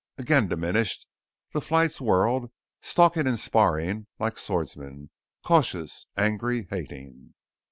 Again diminished, the flights whirled, stalking and sparring like swordsmen, cautious, angry, hating.